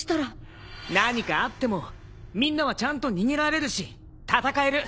何かあってもみんなはちゃんと逃げられるし戦える。